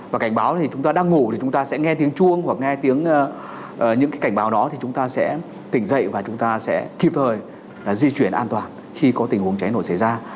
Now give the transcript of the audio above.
và cảnh báo thì chúng ta đang ngủ thì chúng ta sẽ nghe tiếng chuông hoặc nghe tiếng những cái cảnh báo đó thì chúng ta sẽ tỉnh dậy và chúng ta sẽ kịp thời là di chuyển an toàn khi có tình huống cháy nổ xảy ra